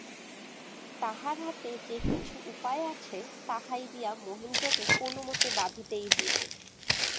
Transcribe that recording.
তাঁহার হাতে যে কিছু উপায় আছে, তাহাই দিয়া মহেন্দ্রকে কোনোমতে বাঁধিতেই হইবে।